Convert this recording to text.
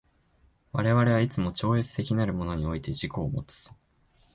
我々はいつも超越的なるものにおいて自己をもつ。